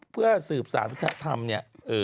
เพื่อสืบสารวัฒนธรรมเนี่ย